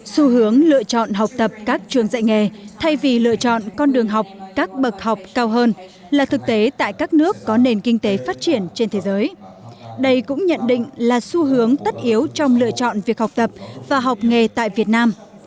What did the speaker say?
xu hướng lựa chọn học tập các trường dạy nghề thay vì lựa chọn con đường học các bậc học cao hơn là thực tế tại các nước có nền kinh tế phát triển trên thế giới đây cũng nhận định là xu hướng tất yếu trong lựa chọn việc học tập và học nghề tại việt nam